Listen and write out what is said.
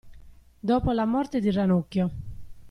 Dopo la morte di Ranocchio.